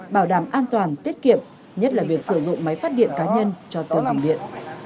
bảo đảm an toàn tiết kiệm nhất là việc sử dụng máy phát điện cá nhân cho tiêu dùng điện